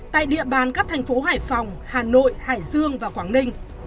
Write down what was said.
tại địa bàn các thành phố hải phòng hà nội hải dương và quảng ninh